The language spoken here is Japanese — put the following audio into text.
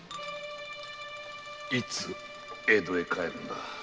いつ江戸へ帰る？